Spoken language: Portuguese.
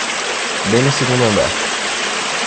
Bem no segundo andar.